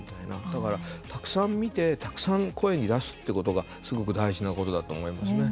だからたくさん見てたくさん声に出すってことがすごく大事なことだと思いますね。